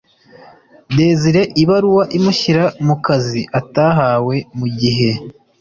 Desire ibaruwa imushyira mu kazi atahawe mu gihe